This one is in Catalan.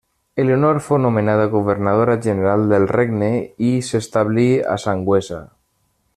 Elionor fou nomenada governadora general del regne i s'establí a Sangüesa.